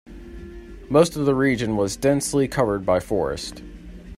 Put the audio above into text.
Most of the region was densely covered by forest.